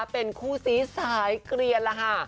เป็นคู่ซีสายเกลียนล่ะค่ะ